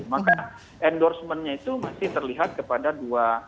maka endorsementnya itu masih terlihat kepada dua